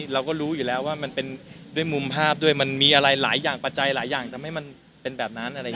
เราก็รู้อยู่แล้วว่ามันเป็นด้วยมุมภาพด้วยมันมีอะไรหลายอย่างปัจจัยหลายอย่างทำให้มันเป็นแบบนั้นอะไรอย่างนี้